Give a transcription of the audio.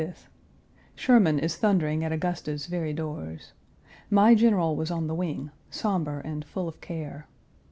Sherman is thundering at Augusta's very doors. My General was on the wing, somber, and full of care.